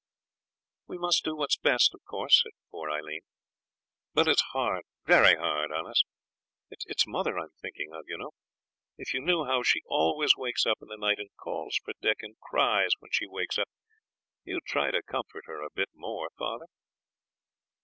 'We must do what's best, of course,' said poor Aileen; 'but it's hard very hard on us. It's mother I'm thinking of, you know. If you knew how she always wakes up in the night, and calls for Dick, and cries when she wakes up, you'd try to comfort her a bit more, father.'